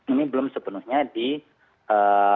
ini belum sepenuhnya dikumpulkan